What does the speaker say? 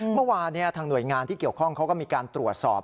เมื่อวานทางหน่วยงานที่เกี่ยวข้องเขาก็มีการตรวจสอบ